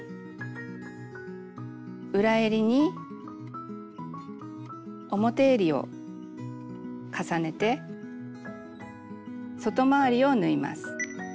裏えりに表えりを重ねて外回りを縫います。